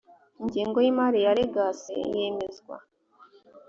ingengo y imari ya rgac yemezwa